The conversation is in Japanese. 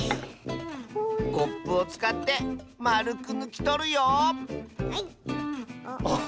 コップをつかってまるくぬきとるよはい。